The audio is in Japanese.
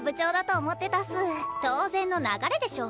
当然の流れでしょ。